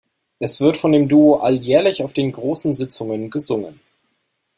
Es wird von dem Duo alljährlich auf den großen Sitzungen gesungen.